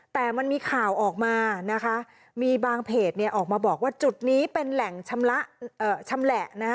แต่มันมีข่าวออกมานะคะมีบางเพจเนี่ยออกมาบอกว่าจุดนี้เป็นแหล่งชำแหละนะฮะ